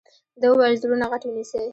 ده وويل زړونه غټ ونيسئ.